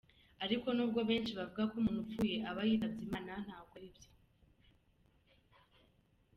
Ariko nubwo benshi bavuga ko umuntu upfuye aba yitabye imana, ntabwo ari byo.